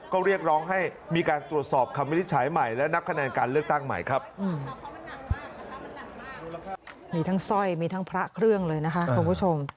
ก็เรียกร้องให้มีการตรวจสอบคำวินิจฉัยใหม่และนับคะแนนการเลือกตั้งใหม่ครับ